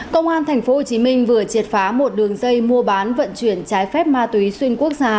công an tp hcm vừa triệt phá một đường dây mua bán vận chuyển trái phép ma túy xuyên quốc gia